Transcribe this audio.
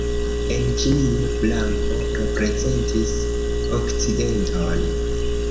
En Ĉinio blanko reprezentis okcidenton.